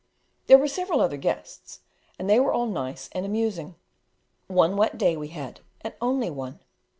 There were several other guests, and they were all nice and amusing. One wet day we had, and only one.